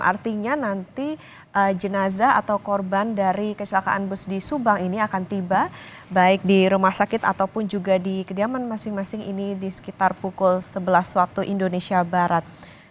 artinya nanti jenazah atau korban dari kecelakaan bus di subang ini akan tiba baik di rumah sakit ataupun juga di kediaman masing masing ini di sekitar pukul sebelas waktu indonesia barat